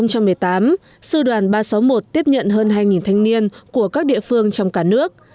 năm hai nghìn một mươi tám sư đoàn ba trăm sáu mươi một tiếp nhận hơn hai thanh niên của các địa phương trong cả nước